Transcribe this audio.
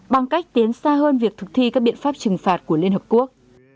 bằng cách tiến xa hơn việc thực thi các biện pháp trừng phạt của liên hợp quốc